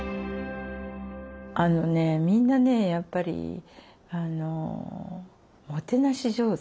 あのねみんなねやっぱりもてなし上手。